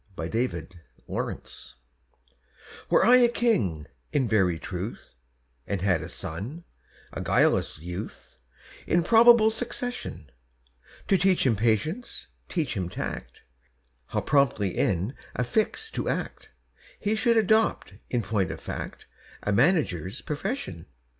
A MANAGER'S PERPLEXITIES WERE I a king in very truth, And had a son—a guileless youth— In probable succession; To teach him patience, teach him tact, How promptly in a fix to act, He should adopt, in point of fact, A manager's profession.